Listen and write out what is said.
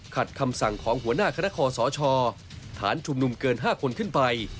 คำสั่งของหัวหน้าคณะคอสชฐานชุมนุมเกิน๕คนขึ้นไป